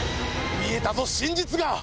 見えたぞ真実が。